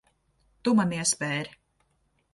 Tu man iespēri.